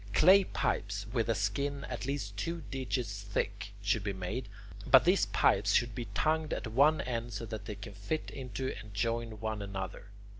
Clay pipes with a skin at least two digits thick should be made, but these pipes should be tongued at one end so that they can fit into and join one another.